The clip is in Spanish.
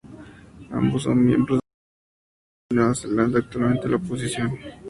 Ambos son miembros del partido Partido Nacional de Nueva Zelanda, actualmente en la oposición.